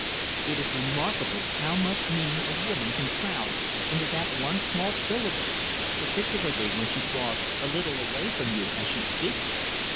It is remarkable how much meaning a woman can crowd into that one small syllable; particularly, when she draws a little away from you as she speaks it.